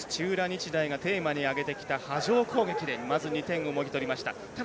日大がテーマに挙げてきた波状攻撃でまず２点をもぎ取りました。